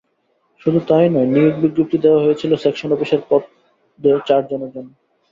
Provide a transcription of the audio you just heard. শুধু তা-ই নয়, নিয়োগ বিজ্ঞপ্তি দেওয়া হয়েছিল সেকশন অফিসার পদে চারজনের জন্য।